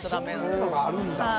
そういうのがあるんだ。